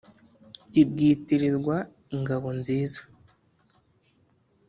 i bwitirirwa-ngabo nziza